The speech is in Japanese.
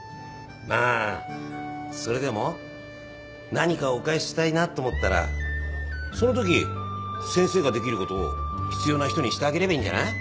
まあそれでも何かお返ししたいなと思ったらそのとき先生ができることを必要な人にしてあげればいいんじゃない？